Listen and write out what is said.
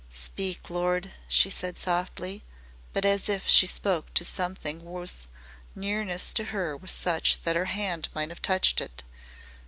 "Speak, Lord," she said softly, but as if she spoke to Something whose nearness to her was such that her hand might have touched it.